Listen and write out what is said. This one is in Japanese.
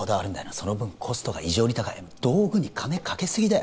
その分コストが異常に高い道具に金かけすぎだよ